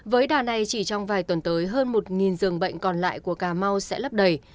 với đà này chỉ trong vài tuần tới hơn một giường bệnh còn lại của cà mau sẽ lấp đầy